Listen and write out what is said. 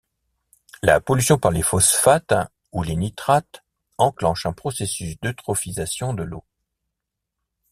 La pollution par les phosphates ou les nitrates enclenche un processus d'eutrophisation de l'eau.